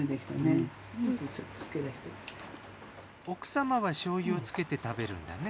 奥様は醤油をつけて食べるんだね。